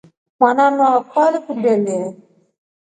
Mwananu wakwa alikumdelye.